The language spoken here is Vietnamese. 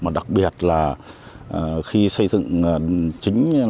mà đặc biệt là khi xây dựng chính